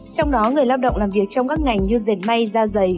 trong đó người lao động làm việc trong các ngành như dệt may da dày